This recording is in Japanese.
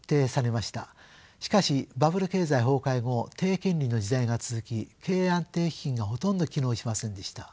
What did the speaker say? しかしバブル経済崩壊後低金利の時代が続き経営安定基金がほとんど機能しませんでした。